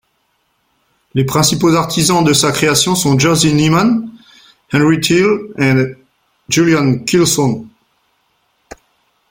Les principaux artisans de sa création sont Jerzy Neyman, Henri Theil et Julian Keilson.